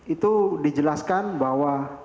itu dijelaskan bahwa